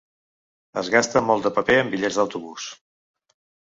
Es gasta molt de paper en bitllets d'autobús.